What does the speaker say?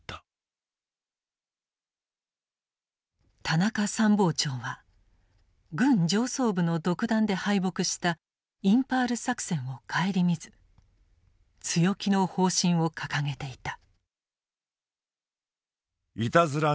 田中参謀長は軍上層部の独断で敗北したインパール作戦を顧みず強気の方針を掲げていた。